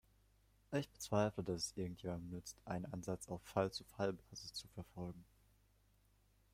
Ich bezweifle, dass es irgendjemandem nützt, einen Ansatz auf Fall-zu-Fall-Basis zu verfolgen.